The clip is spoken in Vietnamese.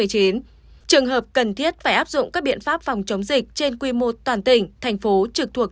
trường hợp cần thiết phải áp dụng các biện pháp phòng chống dịch trên quy mô toàn tỉnh thành phố trực thuộc